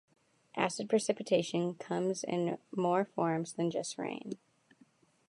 Acid precipitation comes in more forms than just rain.